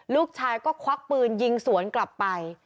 ลูกชายก็ควักปืนยิงสวนกลับไป